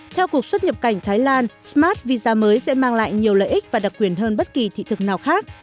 theo cuộc xuất nhập cảnh thái lan smart visa mới sẽ mang lại nhiều lợi ích và đặc quyền hơn bất kỳ thị thực nào khác